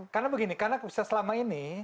karena begini karena selama ini